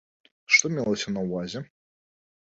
Што мелася на ўвазе?